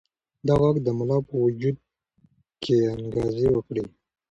دا غږ د ملا په وجود کې انګازې وکړې.